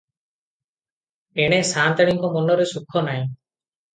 ଏଣେ ସା’ନ୍ତାଣୀଙ୍କ ମନରେ ସୁଖ ନାହିଁ ।